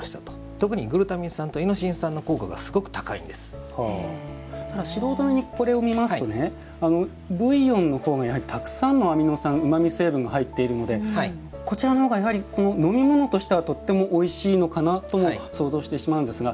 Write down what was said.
特にグルタミン酸とイノシン酸の効果が素人目にこれを見ますとブイヨンのほうがたくさんのアミノ酸うまみ成分が入っているのでこちらのほうがやはり飲み物としてはとってもおいしいのかなとも想像してしまうんですが。